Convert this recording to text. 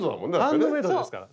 ハンドメイドですから。